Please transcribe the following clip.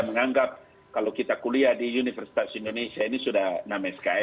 menganggap kalau kita kuliah di universitas indonesia ini sudah namanya sekali